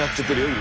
今。